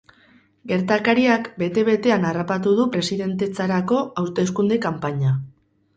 Gertakariak bete-betean harrapatu du presidentetzarako hauteskunde kanpaina.